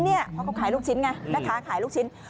เพราะเขาขายลูกชิ้นไงแม่ค้าขายลูกชิ้น